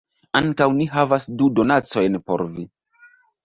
Ankaŭ ni havas du donacojn por vi